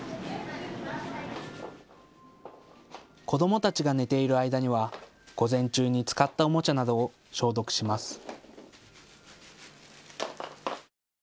子どもたちが寝ている間には午前中に使ったおもちゃなどを消毒します。